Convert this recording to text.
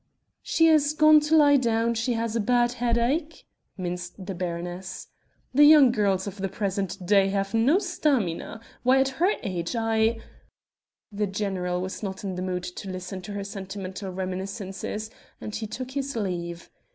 "She is gone to lie down; she has a bad headache," minced the baroness. "The young girls of the present day have no stamina. Why, at her age I...." The general was not in the mood to listen to her sentimental reminiscences and he took his leave.